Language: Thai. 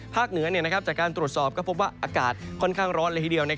เหนือจากการตรวจสอบก็พบว่าอากาศค่อนข้างร้อนเลยทีเดียว